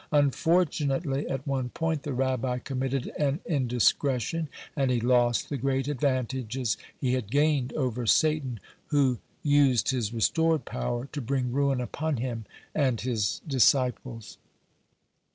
Unfortunately, at one point the Rabbi committed an indiscretion, and he lost the great advantages he had gained over Satan, who used his restored power to bring ruin upon him and his disciples.